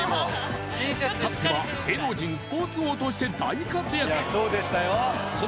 かつては芸能人スポーツ王として大活躍